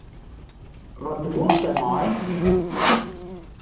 Wat bedoelst dêrmei?